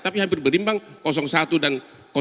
tapi hampir berimbang satu dan dua